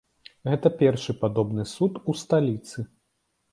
Гэта першы падобны суд у сталіцы.